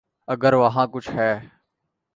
اگر وہاں کچھ ہے۔